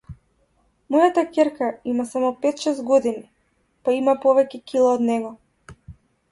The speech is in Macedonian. Мојата ќерка има само пет-шест години, па има повеќе кила од него.